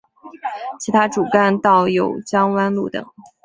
其他主干道有江湾路等。